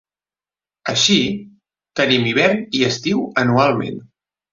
Així, tenim hivern i estiu anualment.